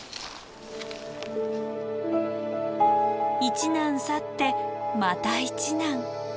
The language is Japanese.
「一難去ってまた一難」。